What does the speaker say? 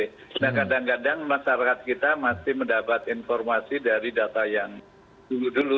nah kadang kadang masyarakat kita masih mendapat informasi dari data yang dulu dulu